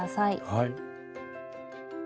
はい。